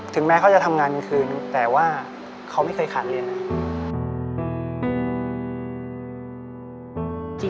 แม้เขาจะทำงานกลางคืนแต่ว่าเขาไม่เคยขาดเรียนเลย